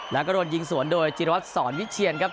แล้วก็โดนยิงสวนโดยจิรวัตรสอนวิเชียนครับ